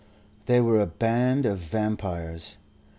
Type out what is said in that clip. They were a band of vampires.